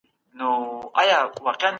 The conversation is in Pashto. دا کار د زده کوونکو په مرسته بشپړ سو.